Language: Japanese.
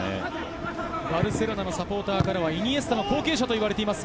バルセロナのサポーターからはイニエスタの後継者といわれています。